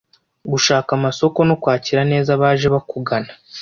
gushaka amasoko no kwakira neza abaje bakugana”